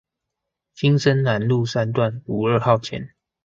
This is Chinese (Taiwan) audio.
新生南路三段五二號前